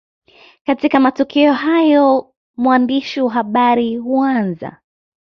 Katika matukio kama hayo mwandishi wa habari huanza